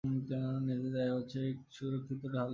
নির্ধারিত আয়ু হচ্ছে এক সুরক্ষিত ঢালস্বরূপ।